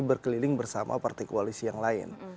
berkeliling bersama partai koalisi yang lain